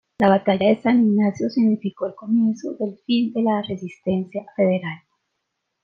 La batalla de San Ignacio significó el comienzo del fin de la resistencia federal.